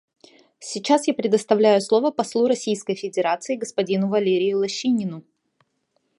Сейчас я предоставляю слово послу Российской Федерации господину Валерию Лощинину.